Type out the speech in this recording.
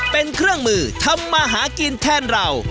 เป็นเครื่องมือทำมาหากินแทนเรา